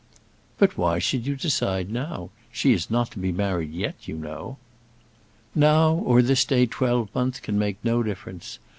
"But why should you decide now? She is not to be married yet, you know." "Now, or this day twelvemonth, can make no difference.